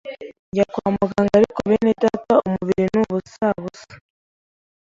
njya kwa muganga ariko bene data umubiri ni ubusa busa,